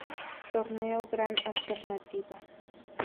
Torneo Gran Alternativa.